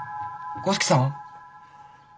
五色さん！